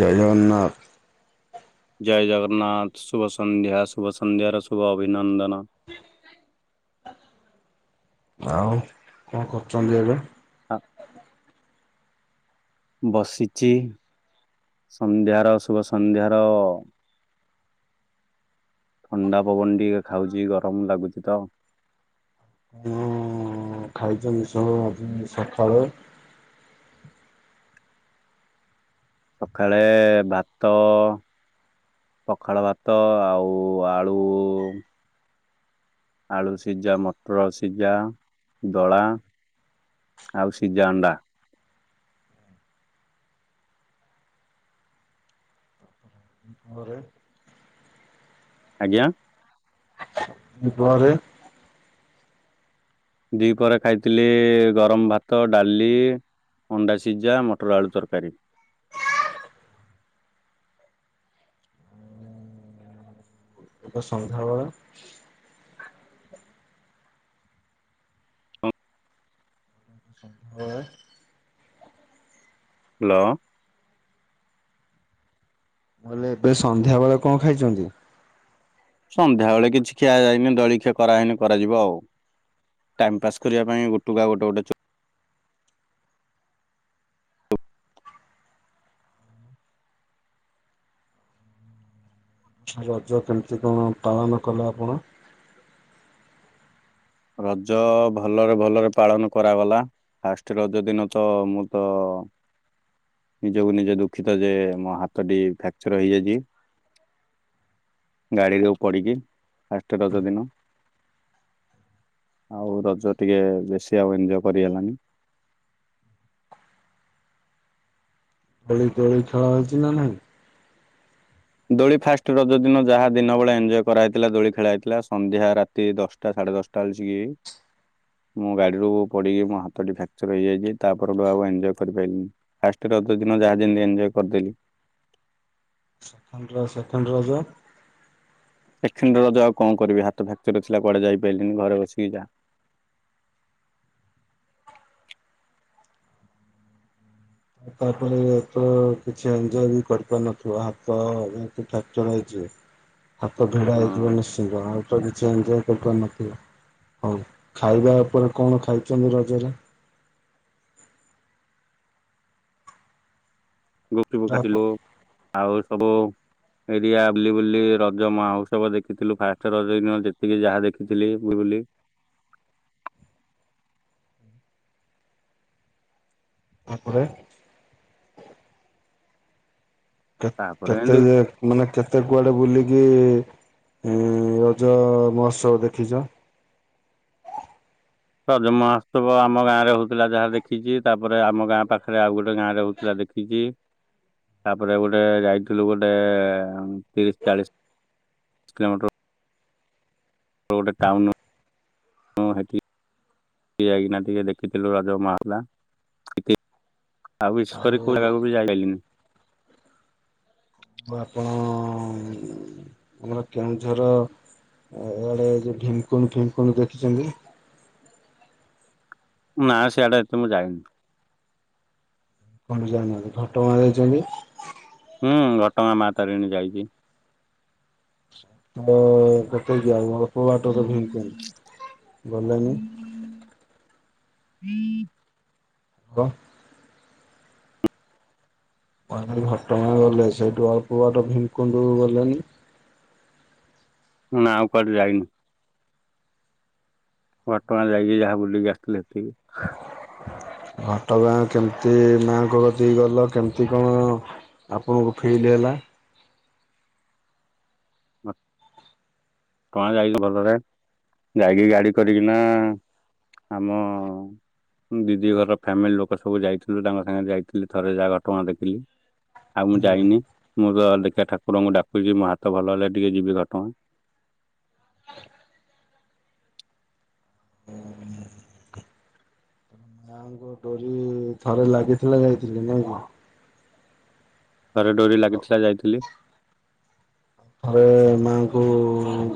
ଜୟ ଜଗନ୍ନାଥ। ଜୟ ଜଗନ୍ନାଥ ଶୁଭ ସନ୍ଧ୍ୟା ଶୁଭ ସନ୍ଧ୍ୟାର ଶୁଭ ଅଭିନନ୍ଦନ। ଆଉ କଣ କରୁଛନ୍ତି ଏବେ? ଆ ବସିଛି ସନ୍ଧ୍ୟାର ଶୁଭ ସନ୍ଧ୍ୟାର ଥଣ୍ଡା ପବନ ଟିକେ ଖାଉଛି, ଗରମ ଲାଗୁଛି ତ ହୁଁ ଖାଇଛନ୍ତି ସବୁ ଆଜି ସକାଳୁ ସକାଳେ ଭାତ ପଖାଳ ଭାତ ଆଉ ଆଳୁ ଆଳୁ ସିଝା ମଟର ସିଝା ଦଳା। ଆଉ ସିଝା ଅଣ୍ଡା। [inaudible] ଆଜ୍ଞା ଦିପହରେ ଦି ପହରେ ଖାଇଥିଲି ଗରମ ଭାତ ଡାଲି ଅଣ୍ଡା ସିଝା ମଟର ଆଳୁ ତରକାରୀ। ଏକ ସଂନ୍ଧ୍ୟାବେଳ। [inaudible] ହ୍ୟାଲୋ ମୁ କହିଲି ଏବେ ସନ୍ଧ୍ୟା ବେଳେ କଣ ଖାଇଛନ୍ତି? ସନ୍ଧ୍ୟା ବେଳେ କିଛି ଖିଆ ଯାଇନି ଦଳିଖିଆ କରାହେଇନି କରାଯିବ ଆଉ ଟାଇମ ପାସ୍ କରିବା ପାଇଁ ଗୁଟୁକା ଗୋଟେ ଗୋଟେ ଚ ରଜ କେମିତି କଣ ପାଳନ କଲେ ଆପଣ? ରଜ ଭଲରେ ଭଲରେ ପାଳନ କରାଗଲା। ଫାଷ୍ଟ ରଜ ଦିନ ତ ମୁଁ ତ ନିଜକୁ ନିଜେ ଦୁଃଖିତ ଯେ ମୋ ହାତଟି ଫ୍ରାକ୍ଚର ହେଇଯାଇଛି। ଗାଡିରୁ ପଡ଼ିକି ଫାଷ୍ଟ ରଜ ଦିନ। ଆଉ ରଜ ଟିକେ ବେଶୀ ଆଉ ଏନଜୟ କରି ହେଲଣି। ପୁଣି ଦୋଳି ଖେଳ ହଉଛି ନା ନାଇଁ ଦୋଳି ଫାଷ୍ଟ ରଜ ଦିନ ଯାହା ଦିନ ବେଳେ ଏଞ୍ଜୟ କରାଥିଲା ଦୋଳି ଖେଳା ହେଇଥିଲା ସନ୍ଧ୍ୟା ରାତି ଦଶଟ୍ ଟା ସାଢେ ଦଶଟା ଆଲଛି ଏ ମୁଁ ଗାଡିରୁ ପଡିକି ମୋ ହାତ ଟି ଫ୍ରାକ୍ଚର ହେଇଯାଇଛି ତାପଠୁ ଆକୁ ଏନ୍ଜୟ କରିପାରିଲିନି ଫାଷ୍ଟ ର ଦିନ ଯାହା ଯେମିତି ଏଞଜୟ କରିଦେଲି ଥଣ୍ଡର ସେକେଣ୍ଡ ରଜ ଏକ୍ଷରେ ରଜ ଆଉ କଣ କରିବି ହାତ ଫାକ୍ଚର ଥିଲାୁଆଡେ ଯାଇପାରିଲିନି ଘରେ ବସିକି ଯା ତାପରେ ଏ ତ କିଛି ଏଞଜୟ ବି କରିପାରିନଥିବ ହାତ ଏତି ଫ୍ରାକ୍ଚର ହେଇଛି [unintelligible] ହାତ ଭିଡା ହଁ ହେଇଯିବ ନିଶ୍ଚିନ୍ତ ଆଉ ତ କିଛି ଏଞଜୟ କରି ପାରି ନ ଥିବ ହଁ ଖାଇବା ଉପରେ କଣ ଖାଇଛନ୍ତି ରଜରେ? [unintelligible] କାଟିଲୁ ଆଉ ସବୁ ଏରିଆ ବୁଲି ବୁଲି ରଜ ମହୋତ୍ସବ ଦେଖିଥିଲୁ ଫାଷ୍ଟ ରଜ ଦିନ ଯେତିକି ଯାହା ଦେଖିଥିଲି ବୁଲି ବୁଲି ତା ପରେ କେତ୍ ତାପରେ କେତେ ଏମିତି ଯେ ମାନେ କେତେ କୁଆଡେ ବୁଲିକି ଏଁ ରଜ ମହୋତ୍ସବ ଦେଖିଛ? ରଜ ମହୋତ୍ସବ ଆମ ଗାଁ ରେ ହଉଥିଲା ଯାହା ଦେଖିଛି ତାପରେ ଆମ ଗାଁ ପାଖରେ ଆଉ ଗୋଟେ ଗାଁରେ ହଉଥିଲା ଦେଖି ଖିଛି ତାପରେ ଗୋଟେ ଯାଇଥିଲୁ ଗୋଟେ ତିରିଶ ଚାଳିଶ କିଲୋମିଟର। ଆ ଗୋଟେ ଟାଉନ ଉଁ ଯାଇକିନା ଟିକେ ଦେଖିଥିଲୁ ରଜ ମା [unintelligible] ହେଲା। ଆଉ ବିଶ କରି କଉ ଜାଗାକୁ ବି ଯାଇ ପାଇଲି ନି। ବୁ ଆପଣ ଆମର କେଉଁଝର ଇଆଡ଼େ ଯେ ଭୀମକୁଣ୍ଡ ଭିମକୁଣ୍ଡ ଦେଖିଛନ୍ତି? ନା ସେଆଡେ ତ ମୁଁ ଯାଇନି। କଣ ଜାନାହାନ୍ତି ଘଟଗାଁ ଯାଇଛନ୍ତି? ହୁଁ ଘଟଗାଁ ମା ତାରିଣୀ ଯାଇଛି। ବ ଗଟେକି ଆଉ ଅଳ୍ପ ବାଟ ସେଠିକି ଗଲେନି। [unintelligible] ଗ୍ ଘଟ ଗାଁ ଗଲେ ସେଇଠୁ ଅଳ୍ପ ବାଟ ଭୀମ କୁଣ୍ଡୁ ଗଲେନି? ନାଁ ଆଉ କୁଆଡେ ଯାଇନୁ। ଘଟ ଗାଁ ଯାଇକି ଯାହା ବୁଲିକି ଆସିଥିଲେ ସେତିକି। ଘଟଗାଁ କେମିତି ମାଆଙ୍କୁ ଗତିକି ଗଲ କେମିତି କଣ? ଆପଣଙ୍କୁ ଫିଲ ହେଲା? କଣ ଯାଇଛ ଭଲରେ ଯାଇକି ଗାଡି କରିକିନା ଆମ ଦିଦି ଘରର ଫ୍ୟାମିଲି ଲୋକ ସବୁ ଯାଇଥିଲୁ ତାଙ୍କ ସାଙ୍ଗରେ ଯାଇଥିଲି ଥରେ ଯାହା ଘଟଣା ଦେଖିଲି। ଆଉ ମୁଁ ଯାଇନି ମୁଁ ତ ଦେଖା ଠାକୁରଙ୍କୁ ଡାକୁଛି ମୋ ହାତ ଭଲ ହେଲେ ଟିକେ ଯିବି ଘଟଗାଁ। ମାଆଙ୍କ ଡୋରି ଥରେ ଲାଗିଥିଲା ଯାଇଥିଲ ନାଇଁକି। ଥରେ ଡୋରି ଲାଗିଥିଲା ଯାଇଥିଲି। ଥରେ ମାଆଙ୍କୁ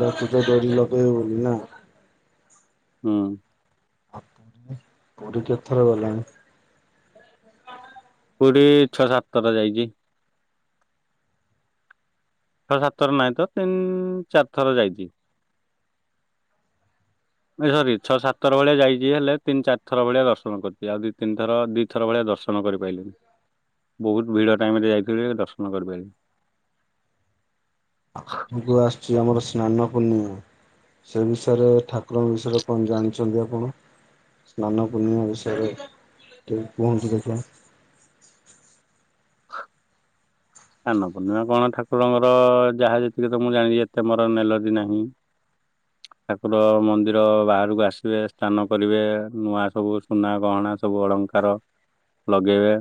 ଡାକୁ ତ ଡୋରି ଲଗେଇବନ ନା। ହୁଁ। ଆଉ ପୁରୀ ପୁରୀ କେତ ଥର ଗଲାଣି? ପୁରୀ ଛଅ ସାତ ଥର ଯାଇଛି। ଛଅ ସାତ ଥର ନାହିଁ ତ ତିନି ଚାରି ଥର ଯାଇଛି। ଏଇ ସରି ଛଅ ସାତ ଥର ଭଳିଆ ଯାଇଛି ହେଲେ ତିନି ଚାର ଥର ଭଳିଆ ଦର୍ଶନ କରିଛି ଆଉ ଦିଇ ତିନିଥର ଦି ଏଥର ଭଳିଆ ଦର୍ଶନ କରିପାରିଲିନି ବହୁତ ଭିଡ଼ ଟାଇମିରେ ଯାଇଥିଲି ଯେ ଦର୍ଶନ କରିପାରିଲିନି। ଆଗକୁ ଆସୁଛି ଆମର ସ୍ନାନ ପୂର୍ଣ୍ଣିମା। ସେ ବିଷୟରେ ଠାକୁରଙ୍କ ବିଷୟରେ କଣ ଜାଣିଛନ୍ତି ଆପଣ? ସ୍ନାନ ପୂର୍ଣ୍ଣିମା ବିଷୟରେ ଟିକେ କୁହନ୍ତୁ ଦେଖିଆ। ହଁ। [unintelligible] ସ୍ନାନ ପୂର୍ଣ୍ଣିମା କଣ ଠାକୁରଙ୍କର ଯାହା ଯେତିକି ତ ମୁଁ ଜାଣିଛି ଏତେ ମୋର ନେଲଜି ନାହିଁ। [unintelligible] ଠାକୁର ମନ୍ଦିର ବାହାରକୁ ଆସିବେ ସ୍ନାନ କରିବେ ନୂଆ ସବୁ ସୁନା ଗହଣା ସବୁ ଅଳଙ୍କାର ତାର ଲଗେଇବେ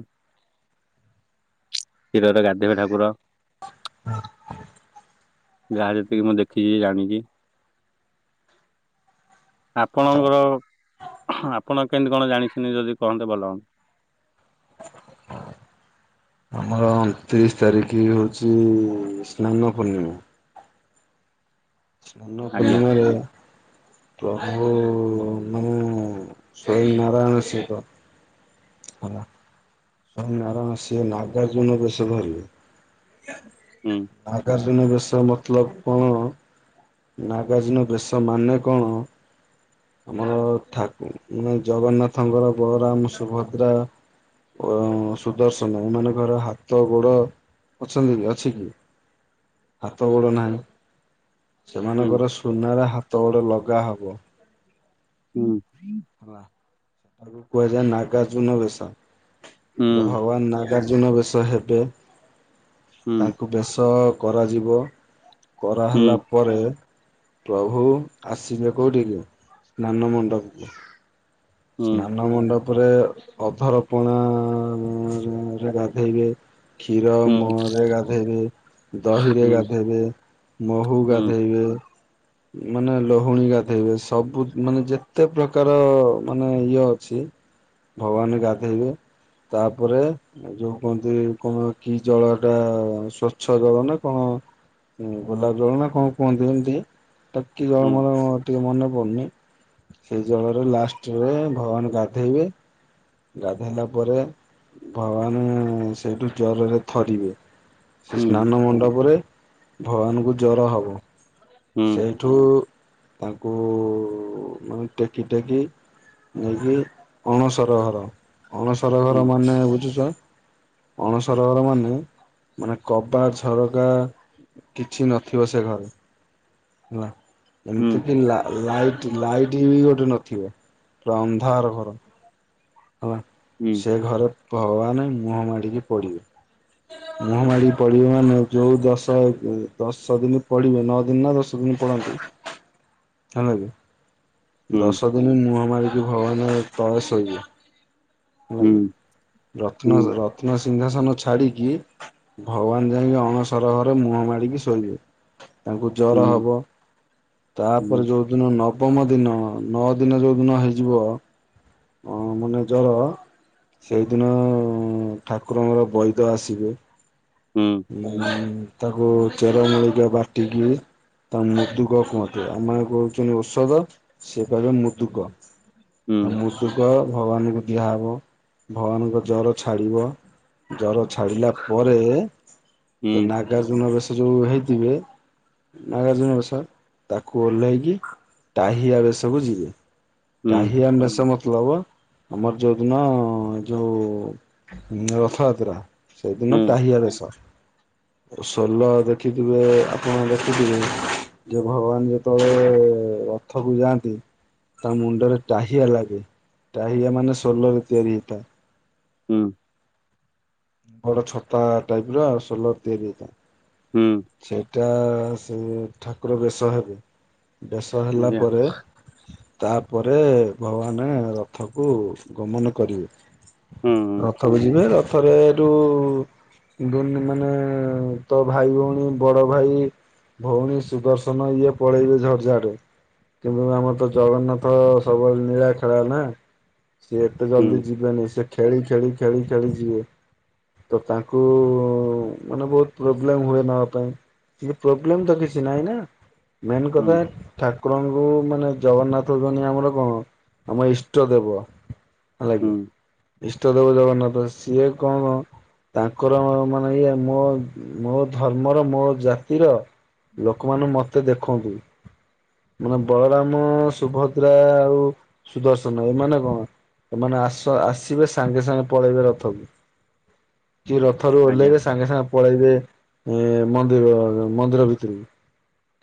କ୍ଷୀରରେ ଗାଧ ଦେବେ ଠାକୁର ହଁ। ଯାହା ଯେତିକି ମୁଁ ଦେଖିଛି ଜାଣିଛି। ଆପଣଙ୍କର ଆପଣ କେମିତି କଣ ଜାଣିଛନ୍ତି ଯଦି କହନ୍ତେ ଭଲ ହୁଅନ୍ତ। ତିରିଶ ତାରିଖ ହେଉଛି ସ୍ନାନ ପୂର୍ଣ୍ଣିମା। ଆଜ୍ଞା ସ୍ନାନପୂର୍ଣ୍ଣିମାରେ ପ୍ରଭୁ ମୁଁ ସ୍ବୟଂନାରାୟଣ ଶିବ ହେଲା ସ୍ବୟଂ ନାରାୟଣ ସିଏ ନାଗାର୍ଜୁନ ବେଶ ଧରିବେ ହୁଁ ନାଗାର୍ଜୁନ ବେଶ ମତଲବ କଣ? ନାଗାର୍ଜୁନ ବେଶ ମାନେ କଣ? ଆମର ଠାକୁ ମାନେ ଜଗନ୍ନାଥଙ୍କର ବଳରାମ ସୁଭଦ୍ରା ଓ ସୁଦର୍ଶନ ଏମାନଙ୍କର ହାତ ଗୋଡ ଅଛନ୍ତି କି ଅଛି କି? ହାତ ଗୋଡ଼ ନାହିଁ ହୁଁ ସେମାନଙ୍କର ସୁନାର ହାତ ଗୋଡ଼ ଲଗାହବ। ହୁଁ ହେଲା ସେଟାକୁ କୁହାଯାଏ ନାଗାର୍ଜୁନ ବେଶ ହୁଁ ଭଗବାନ ନାଗ ନାଗାର୍ଜୁନ ବେଶ ହେବେ ହୁଁ ତାଙ୍କୁ ବେଶ କରାଯିବ। କରା ହୁଁ ହେଲାପ ପରେ ପ୍ରଭୁ ଆସିବେ କେଉଠିକି ସ୍ନାନ ମଣ୍ଡପକୁ ଇଆ ହୁଁ। ସ୍ନାନ ମଣ୍ଡପ ତାପରେ ଅଧରପଣା ରେ ଗାଧେଇବେ କ୍ଷୀର ହୁଁ ହୁଁ ମରେ ଗାଧେଇବେ ଦହିରେ ଗାଧେଇବେ ମହୁ ଗାଧେଇବେ ମାନେ ଲହୁଣୀ ଗାଧେଇବେ ସବୁ ଯ ମାନେ ଯେତ କେତେ ପ୍ରକାର ମାନେ ଇଏ ଅଛି ଭଗବାନ ଗାଧେଇବେ ତାପରେ ଯୋଉ କୁହନ୍ତି କଣ କି ଜଳ ଟା ସ୍ଵଚ୍ଛ ଜଳ ନା କଣ? ହୁଁ ଗୋଲାପଜଳ ନା କଣ କୁହନ୍ତି ଏମିତି ତା [unintelligible] କି ଜଳ ମୋର ଟିକେ ମନେ ପଡୁନି ସେଇ ଜଳରେ ଲାଷ୍ଟରେ ଭଗବାନ ଗାଧେଇବେ ଗାଧେଇଲା ପରେ ଭଗବାନ ସେଇଠୁ ଜରରେ ଥରିବେ ସେ ସ୍ନାନ ମଣ୍ଡପରେ ଭଗବାନଙ୍କୁ ଜର ହବ ସେଇ ଠୁ ତାଙ୍କୁ ମାନେ ଟେକି ଟେକି ନେଇକି ଅଣସର ଘର ଅଣସର ଘର ମାନେ ବୁଝୁଛ ଅଣସର ଘର ମାନେ ମାନେ କବାଟ ଝରକା କିଛି ନଥିବ ସେ ଘରେ ହେଲା ଏମିତି କି ଲା ଲାଇଟ ଲାଇଟ୍ ବି ଗୋଟେ ନଥିବ ପ ଅନ୍ଧାର ଘର। ହେଲା ସେ ଘରେ ଭଗବାନ ହିଁ ମୁହଁ ମାଡ଼ିକି ପଡିବେ। ମୁଁହ ମାରୀ ପଡ଼ିବେ ମାନେ ଯେଉଁ ଦଶ ଦଶ ଦିନ ପଢ଼ିବେ ନଅ ଦିନ ନା ଦଶ ଦିନ ପଢ଼ନ୍ତିୁ ଁ ହେଲାକି ଦଶ ଦିନୀ ମହାମାରୀ ତଳେ କି ଭଗବାନ [unintelligible] ହେଲା କି ରତ୍ନ ର। ରତ୍ନ ସିଂଘାସନ ଛାଡିକି ଭଗବାନ ଯାଇକି ଅଣସର ଘର ମୁହଁ ମାରିକି ଶୋଇବେ ତାଙ୍କୁ ଜର ହବ ତାପରେ ଯୋଉ ଯ ଦିନ ନବମ ଦିନ ନଅ ଦିନ ଯୋଉ ଦିନ ହେଇଯିବ ଅ ମାନେ ଜର ସେଇଦିନ ଠାକୁରଙ୍କର ବୈଦ ଆସିବେ ହୁଁ। ତାକୁ ଚେର ମୁଳ ବାଟିକି ତାଙ୍କୁ ମୁଦୁକ କୁହନ୍ତି ଆମେ କହୁଛନ୍ତି ଔଷଧ ସେ କହିବେ ମୁଦୁକ। ମୁୃଦୁକ ଭଗବାନଙ୍କୁ ଦିଆହବ ଭଗବାନଙ୍କ ଜର ଛାଡିବ। ଜର ଛାଡ଼ିଲା ପରେ ସେ ନାଗାର୍ଜୁନ ବେଶ ଯୋଉ ହେଇଥିବେ ନାଗାର୍ଜୁନ ବଷ ତାକୁ ଓହ୍ଲାଇକି ଟାହିଆ ରେ ସବୁ ଯିବେ। ଟାହିଆ ମେସମ ମତଲବ ଆମର ଯୋଉ ଦିନ ଯୋଉ ରଥଯାତ୍ରା ସେଇଦିନ ଟାହିଆ ବେଶ। ସୋଲ ଦେଖିଥିବେ ଆପଣ ଦେଖିଥିବେ ଯେ ଭଗବାନ ଯେତେବେଳେ ରଥକୁ ଯାଆନ୍ତି। ତା ମୁଣ୍ଡରେ ଟାହିଆ ଲାଗେ ଟାହିଆ ମାନେ ସୋଲ ରେ ତିଆରି ହେଇଥାଏ। ହୁଁ। ବଡ ଛତା ଟାଇପ ର ଆଉ ସୋଲରେ ତିଆରି ହେଇଥାଏ। ହୁଁ। ସେଇଟା ସେ ଠାକୁର ବେଶ ହେବେ ବେଶ ହେଲା ପରେ ତାପରେ ଭଗବାନ ରଥ କୁ ଗମନ କରିବେ। ରଥକୁ ଯିବେ ରଥରେ ହେଁଠୁ ଦୁ ମାନେ ତ ଭାଇ ଭଉଣୀ ବଡ ଭାଇ ଭଉଣୀ ସୁଦର୍ଶନ ଇଏ ପଳେଇବେ ଝଟ୍ ଝାଟ୍ କିନ୍ତୁ ଆମର ତ ଜଗନ୍ନାଥ ସବୁବେଳେ ନୀଳା ଖେଳ ନା ସିଏ ଏତେ ଜଲଦି ଯିବେନି ସେ ଖେଳି ଖେଳି ଖେଳି ଖେଳି ଯିବେ। ତ ତାଙ୍କୁ ମାନେ ବହୁତ ପ୍ରୋବ୍ଲେମ ହୁଏ ନବା ପାଇଁ କି ପ୍ରୋବ୍ଲେମ ତ କିଛି ନାଇଁ ନା ମେନ୍ କଥା ଠାକୁରଙ୍କୁ ମାନେ ଜଗନ୍ନାଥ ହଉନି ଆମର କଣ ଆମ ଇଷ୍ଟ ଦେବ। ହେଲା ହୁଁ କି ହୁଁ ଇଷ୍ଟ ଦେବ ଜଗନ୍ନାଥ ସିଏ କଣ ତାଙ୍କର ମାନେ ଇଏ ମୋ ମୋ ଧର୍ମର ମୋ ଜାତିର ଲୋକମାନେ ମତେ ଦେଖନ୍ତୁ। ମାନେ ବଳରାମ ସୁଭଦ୍ରା ଆଉ ସୁଦର୍ଶନ ଏମାନେ କଣ? ସେମାନେ ଆସ ଆସିବେ ସାଙ୍ଗେ ସାଙ୍ଗେ ପଳେଇବେ ରଥକୁ। କି ରଥରୁ ଆଜ୍ଞା ଓହ୍ଲେଇବେ ସାଙ୍ଗେ ସାଙ୍ଗେ ପଳେଇବେ ମନ୍ଦିର ମନ୍ଦିର ଭିତରକୁ।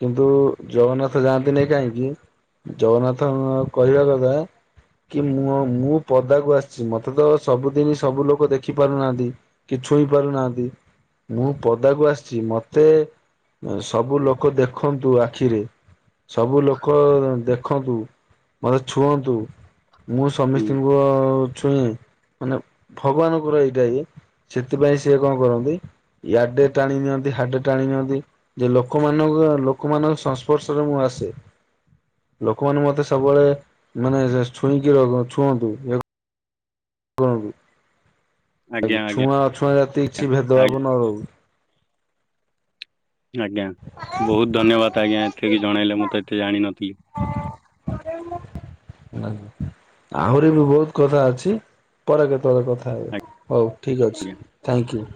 କିନ୍ତୁ ଜଗନ୍ନାଥ ଯାଆନ୍ତି ନାଇଁ କାହିଁକି ଜଗନ୍ନାଥଙ୍କ କହିବା କଥା କି ମୁଁ ମୁଁ ପଦାକୁ ଆସିଛି ମତେ ତ ସବୁଦିନ ସବୁ ଲୋକ ଦେଖ ଦେଖି ପାରୁନାହାନ୍ତି କି ଛୁଇଁ ପାରୁନାହାନ୍ତି ମୁଁ ପଦାକୁ ଆସିଛି ମତେ ସବୁ ଲୋକ ଦେଖନ୍ତୁ ଆଖିରେ। ସବୁ ଲୋକ ଦେଖନ୍ତୁ ମତେ ଛୁଅନ୍ତୁ। ମୁଁ ହୁଁ ସମସ୍ତଙ୍କର ଛୁଇଁ ମାନେ ଭଗବାନଙ୍କର ଏଇଟା ଇଏ ସେଥିପାଇଁ ସିଏ କଣ କରନ୍ତି ୟାଡେ ଟାଣି ନିିଅନ୍ତି ହାଡେ ଟାଣି ନିିଅନ୍ତି। ଯେ ଲୋକମାନଙ୍କ ଲୋକମାନଙ୍କ ସଂସ୍ପର୍ଶରେ ମୁଁ ଆସେ। ଲୋକମାନେ ମତେ ସବୁବେଳେ ମାନେ ଛୁଇଁକି ଛୁଅନ୍ତୁ। ଆଜ୍ଞା ଆଜ୍ଞା ଛୁଆଁ ଅଛୁଆଁ ଜାତି କିଛି ଭେଦଭାବ ଆଜ୍ଞା ନ ରହୁ। ଆଜ୍ଞା ବହୁତ ଧନ୍ୟବାଦ ଆଜ୍ଞା ଏତ କି ଜଣେଇଲେ ମୁଁ ତ ଏତେ ଜାଣିନଥିଲି। [unintelligible] ଆହୁରି ବି ବହୁତ କଥା ଅଛି। ପରେ କେତେବେଳେ କଥା ହେବେ ହଉ ଠିକ୍ ଅଛି ଆଜ୍ଞା ଥ୍ୟାଙ୍କୟୁ।